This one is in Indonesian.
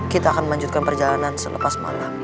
kita akan melanjutkan perjalanan selepas malam